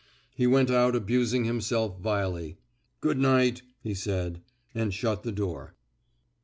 He went out abusing himself vilely. Good night," he said, and shut the door.